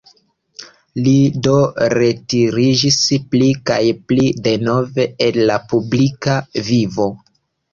Li do retiriĝis pli kaj pli denove el la publika vivo.